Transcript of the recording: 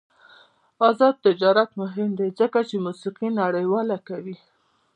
آزاد تجارت مهم دی ځکه چې موسیقي نړیواله کوي.